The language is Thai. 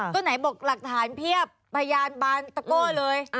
ก็ไหนบอกหลักฐานเพียบพยานบานตะโก้เลย